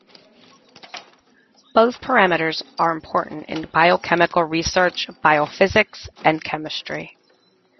Both parameters are important in biochemical research, biophysics, and chemistry.